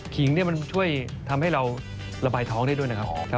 มันช่วยทำให้เราระบายท้องได้ด้วยนะครับ